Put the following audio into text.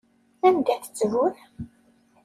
Anda-t ttbut?